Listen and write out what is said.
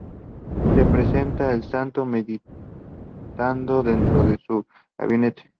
Se representa al santo meditando dentro de su gabinete.